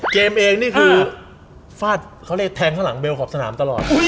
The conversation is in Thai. เองนี่คือฟาดเขาเรียกแทงข้างหลังเบลขอบสนามตลอด